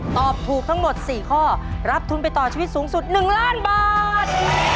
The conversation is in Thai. ตอบถูกทั้งหมด๔ข้อรับทุนไปต่อชีวิตสูงสุด๑ล้านบาท